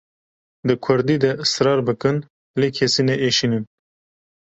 Di kurdî de israr bikin lê kesî neêşînin.